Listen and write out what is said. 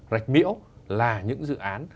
rạch miễu là những dự án